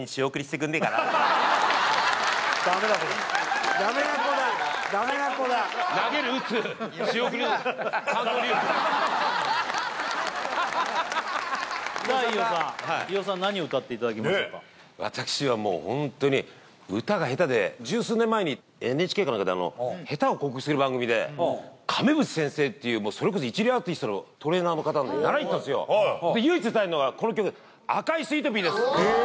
ダメな子だダメな子だダメな子ださあ飯尾さん飯尾さん何を歌っていただきましょうか私はもうホントに歌が下手で十数年前にＮＨＫか何かで亀渕先生っていうそれこそ一流アーティストのトレーナーの方に習いにいったんすよで唯一歌えるのがこの曲「赤いスイートピー」です